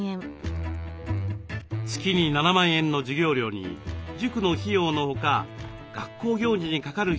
月に７万円の授業料に塾の費用のほか学校行事にかかる費用も。